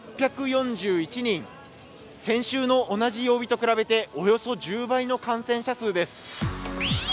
６４１人、先週の同じ曜日と比べておよそ１０倍の感染者数です。